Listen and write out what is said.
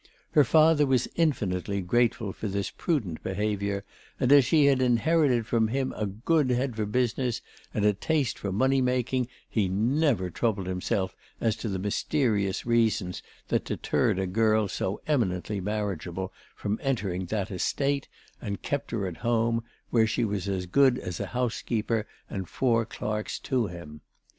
Her father was infinitely grateful for this prudent behaviour, and as she had inherited from him a good head for business and a taste for money making, he never troubled himself as to the mysterious reasons that deterred a girl so eminently marriageable from entering that estate and kept her at home, where she was as good as a housekeeper and four clerks to him.